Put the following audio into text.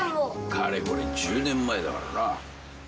かれこれ１０年前だからな。